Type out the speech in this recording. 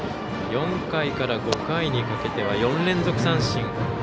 ４回から５回にかけては４連続三振。